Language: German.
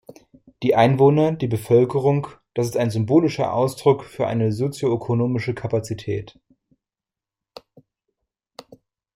Die Einwohner, die Bevölkerung, das ist ein symbolischer Ausdruck für eine sozioökonomische Kapazität.